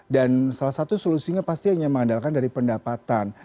dan salah satu solusinya pasti hanya mengandalkan dari pendapatan